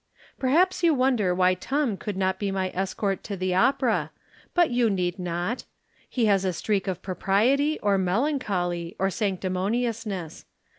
Perhaps you wonder why Tom could not be my escort to the opera; but you need not. He has a streak of propriety, or melancholy, or sanc timoniousness.